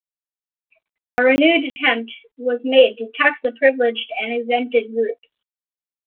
A renewed attempt was made to tax the privileged and exempted groups.